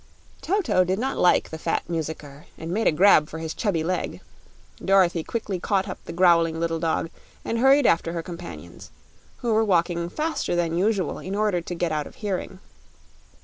Toto did not like the fat musicker and made a grab for his chubby leg. Dorothy quickly caught up the growling little dog and hurried after her companions, who were walking faster than usual in order to get out of hearing.